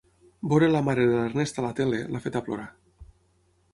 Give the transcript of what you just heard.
Veure la mare de l'Ernest a la tele l'ha feta plorar.